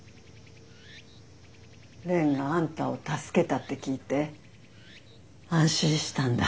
蓮があんたを助けたって聞いて安心したんだ。